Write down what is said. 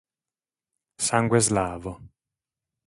Sangue slavo.